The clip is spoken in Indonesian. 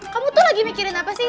kamu tuh lagi mikirin apa sih